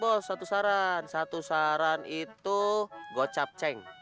gue satu saran satu saran itu gocap ceng